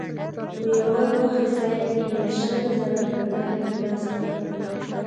په يوه گوښه ځاى کښې يې شل زره کلدارې په لاس راکړې.